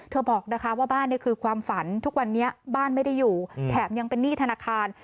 บอกนะคะว่าบ้านคือความฝันทุกวันนี้บ้านไม่ได้อยู่แถมยังเป็นหนี้ธนาคาร